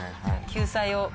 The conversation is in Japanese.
救済を。